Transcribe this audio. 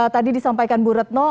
tadi disampaikan bu retno